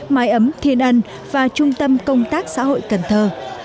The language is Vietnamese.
mái ấm thiên ân và trung tâm công tác xã hội cần thơ